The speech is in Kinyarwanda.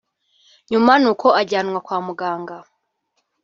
nyuma n’uko ajyanwa kwa muganga